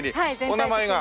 お名前が？